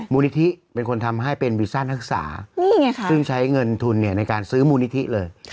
มูลนิธิเป็นคนทำให้เป็นวีซ่านักศึกษาซึ่งใช้เงินทุนในการซื้อมูลนิธิเลย